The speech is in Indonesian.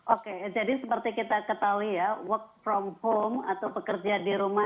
oke jadi seperti kita ketahui ya work from home atau pekerja di rumah